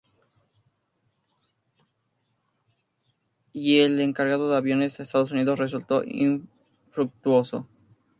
Y el encargo de aviones a Estados Unidos resultó infructuoso.